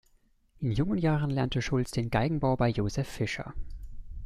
In jungen Jahren lernte Schulz den Geigenbau bei Joseph Fischer.